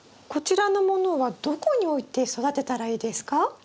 こちらのものはどこに置いて育てたらいいですか？